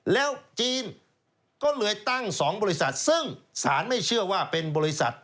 แล้วจีนก็เลยตั้ง๒บริษัทซึ่งสารไม่เชื่อว่าเป็นบริษัท